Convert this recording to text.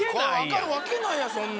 分かるわけないやんそんな。